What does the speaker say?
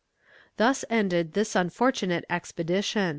Thus ended this unfortunate expedition.